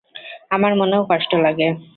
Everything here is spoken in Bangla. আমার মনেও কষ্ট লাগে।